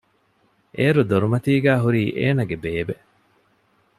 އޭރު ދޮރުމަތީގައި ހުރީ އޭނަގެ ބޭބޭ